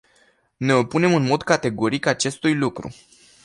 Ne opunem în mod categoric acestui lucru!